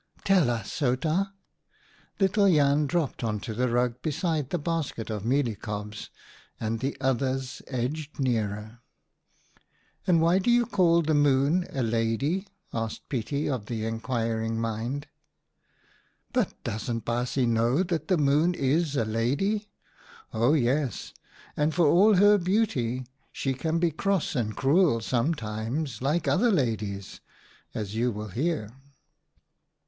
"Tell us, Outa." Little Jan dropped on to the rug beside the basket of mealie cobs, and the others edged nearer. " And why do you call the Moon a lady ?" asked Pietie of the inquiring mind. M But doesn't baasje know that the Moon is a lady ? O yes, and for all her beauty she can be cross and cruel sometimes like other ladies, as you will hear."